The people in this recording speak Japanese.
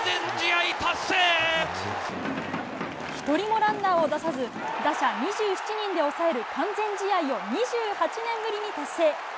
１人もランナーを出さず、打者２７人で抑える完全試合を２８年ぶりに達成。